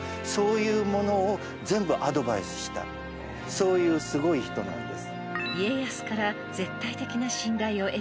そういうすごい人なんです。